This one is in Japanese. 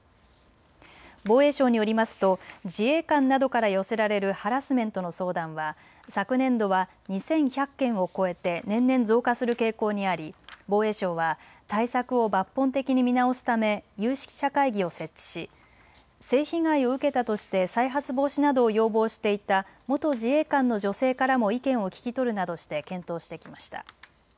防衛省によりますと自衛官などから寄せられるハラスメントの相談は昨年度は２１００件を超えて年々増加する傾向にあり、防衛省は対策を抜本的に見直すため有識者会議を設置し性被害を受けたとして再発防止などを要望していた元自衛官の女性からも意見を聞き取るなどして検討してきました。